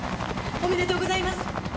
おめでとうございます！